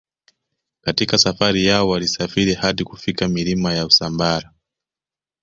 Katika safari yao walisafiri hadi kufika milima ya Usambara